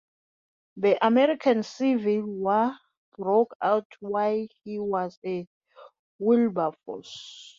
The American Civil War broke out while he was at Wilberforce.